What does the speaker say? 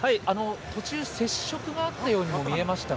途中、接触もあったようにも見えましたが。